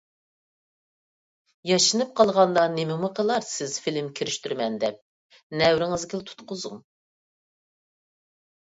ياشىنىپ قالغاندا نېمىمۇ قىلارسىز فىلىم كىرىشتۈرىمەن دەپ، نەۋرىڭىزگىلا تۇتقۇزۇڭ.